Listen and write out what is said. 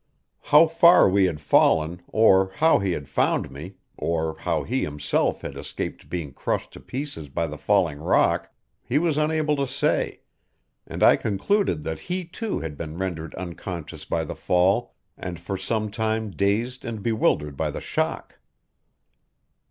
How far we had fallen, or how he had found me, or how he himself had escaped being crushed to pieces by the falling rock, he was unable to say; and I concluded that he, too, had been rendered unconscious by the fall, and for some time dazed and bewildered by the shock.